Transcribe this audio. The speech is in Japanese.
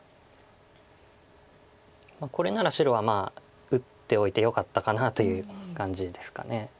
これなら白は打っておいてよかったかなという感じですか。